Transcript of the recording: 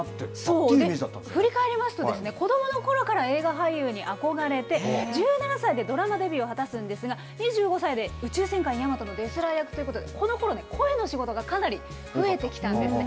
振り返りますと、子どものころから映画俳優に憧れて、１７歳でドラマデビューを果たすんですが、２５歳で宇宙戦艦ヤマトのデスラー役ということで、このころね、声の仕事がかなり増えてきたんですね。